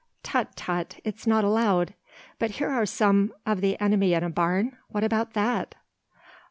"Tut, tut, it's not allowed. But here are some of the enemy in a barn? What about that?"